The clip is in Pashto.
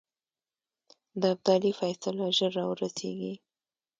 د ابدالي فیصله ژر را ورسېږي.